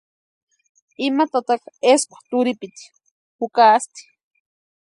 Ima tataka eskwa turhipiti jukaasti.